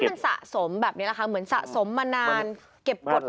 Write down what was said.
แล้วถ้ามันสะสมแบบนี้แหละคะเหมือนสะสมมานานเก็บกฎมานาน